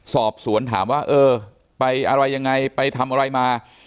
สอบสวนถามว่าเออไปอะไรยังไงไปทำอะไรมา